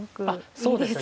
そうですね。